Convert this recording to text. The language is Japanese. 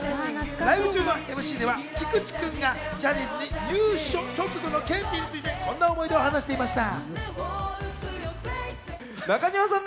ライブ中のＭＣでは、菊池君がジャニーズに入社直後のケンティーについてこんな思い出を話していました。